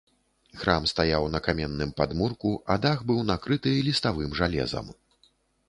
Храм стаяў на каменным падмурку, а дах быў накрыты ліставым жалезам.